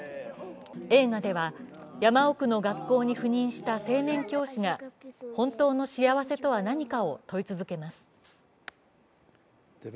映画では山奥の学校に赴任した青年教師が本当の幸せとは何かを問い続けます。